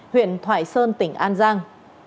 huyện thoại sơn tỉnh an giang